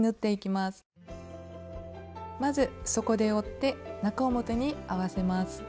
まず底で折って中表に合わせます。